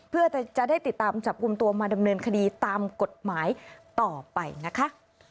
เพื่อจะได้ติดตามจับกลุ่มตัวมาดำเนินคดีตามกฎหมายต่อไปนะคะ